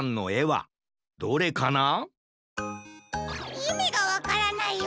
いみがわからないよ。